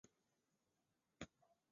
脸色都沉了下来